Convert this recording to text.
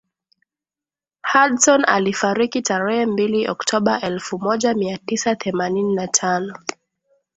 hudson alifariki tarehe mbili oktoba elfu moja mia tisa themanini na tano